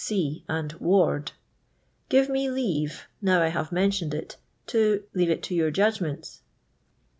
Sea and Ward, give me leave, now I have mentioned it, to— leave it to your Judgments.